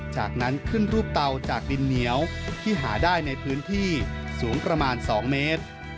จากนั้นขึ้นรูปเตาจากดินเหนียวที่หาได้ในพื้นที่สูงประมาณ๒เมตร